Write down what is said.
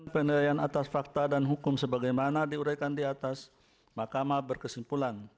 pendayaan atas fakta dan hukum sebagaimana diurahkan di atas mahkamah berkesimpulan